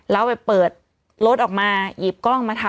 แล้วไปเปิดรถออกมาหยิบกล้องมาทำ